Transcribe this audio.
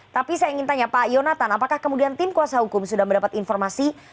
tapi saya ingin tanya pak yonatan apakah kemudian tim kuasa hukum sudah mendapat informasi